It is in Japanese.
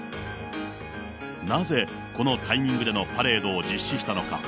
なぜこのタイミングでのパレードを実施したのか。